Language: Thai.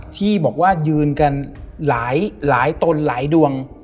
ที่บอกว่ายืนกันหลายตนหลายดวง